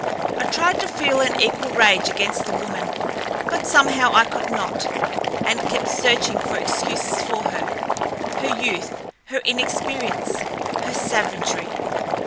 I tried to feel an equal rage against the woman, but somehow I could not, and kept searching for excuses for her—her youth, her inexperience, her savagery.